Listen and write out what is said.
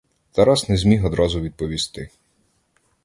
Тарас не зміг одразу відповісти.